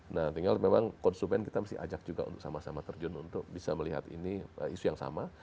nah tinggal memang konsumen kita mesti ajak juga untuk sama sama terjun untuk bisa melihat ini isu yang sama